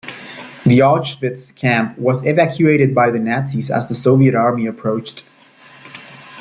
The Auschwitz camp was evacuated by the Nazis as the Soviet army approached.